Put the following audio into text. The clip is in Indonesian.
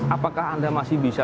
apakah anda masih bisa